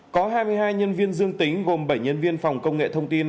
có hai mươi hai nhân viên dương tính gồm bảy nhân viên phòng công nghệ thông tin